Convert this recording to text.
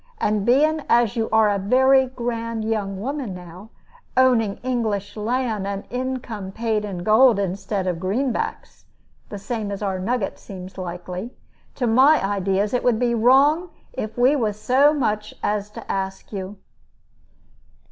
And being as you are a very grand young woman now, owning English land and income paid in gold instead of greenbacks the same as our nugget seems likely to my ideas it would be wrong if we was so much as to ask you."